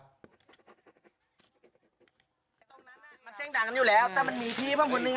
ตรงนั้นมันเช่งดังอยู่แล้วแต่มันมีที